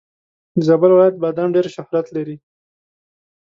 د زابل ولایت بادم ډېر شهرت لري.